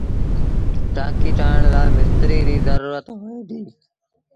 ٽآنڪي ٺآهڻ لآ مستريٚ ريٚ زرورت هوئي ديٚ